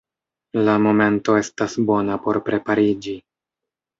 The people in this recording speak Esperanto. La momento estas bona por prepariĝi.